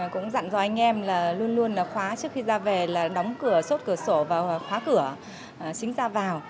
cũng dặn do anh em là luôn luôn là khóa trước khi ra về là đóng cửa chốt cửa sổ và khóa cửa xính ra vào